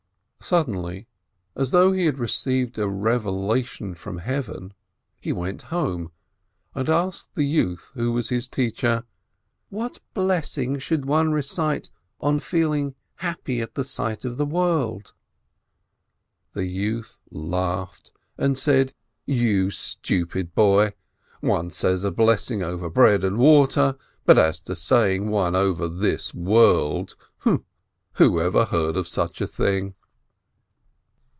Suddenly, as though he had received a revelation from Heaven, he went home, and asked the youth who was 532 ASCH his teacher, "What blessing should one recite on feeling happy at sight of the world ?" The youth laughed, and said : "You stupid boy ! One says a blessing over bread and water, but as to saying one over this world — who ever heard of such a thing?"